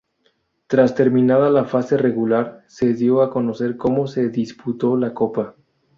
Tras terminada la fase regular se dio a conocer como se disputó la copa.